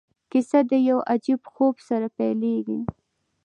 کیسه د یو عجیب خوب سره پیلیږي.